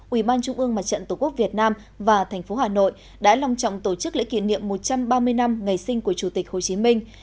ubnd tổ quốc việt nam và tp hà nội đã lòng trọng tổ chức lễ kỷ niệm một trăm ba mươi năm ngày sinh của chủ tịch hồ chí minh